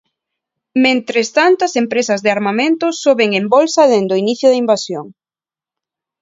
Mentres tanto as empresas de armamento soben en bolsa dende o inicio da invasión.